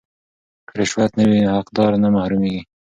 که رشوت نه وي نو حقدار نه محرومیږي.